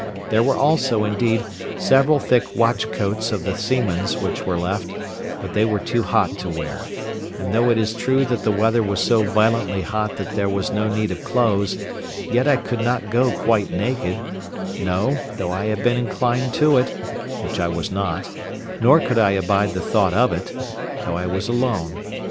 There were also, indeed, several thick watch coats of the seamen's which were left, but they were too hot to wear; and though it is true that the weather was so violently hot that there was no need of clothes, yet I could not go quite naked—no, though I had been inclined to it, which I was not—nor could I abide the thought of it, though I was alone.